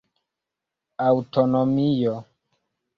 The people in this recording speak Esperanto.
aŭtonomio